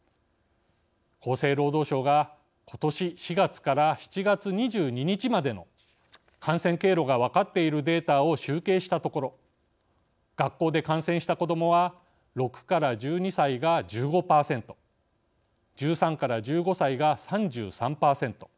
厚生労働省がことし４月から７月２２日までの感染経路が分かっているデータを集計したところ学校で感染した子どもは６１２歳が１５％１３１５歳が３３％